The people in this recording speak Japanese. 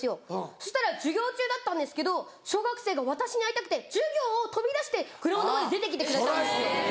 そしたら授業中だったんですけど小学生が私に会いたくて授業を飛び出してグラウンドまで出てきてくれたんですよ。